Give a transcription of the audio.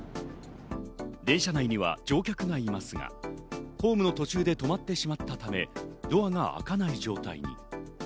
電車内には乗客がいますが、ホームの途中で止まってしまったため、ドアが開かない状態に。